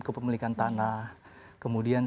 kepemilikan tanah kemudian